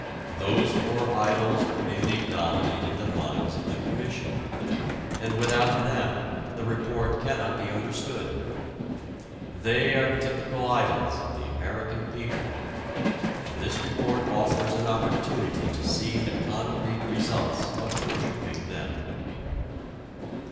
Those four idols really dominated the minds of the Commission, and without them the report cannot be understood. They are typical idols of the American people. This report offers an opportunity to see the concrete results of worshiping them.